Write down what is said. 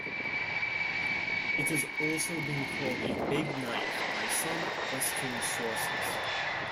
It has also been called a "big knife" by some western sources.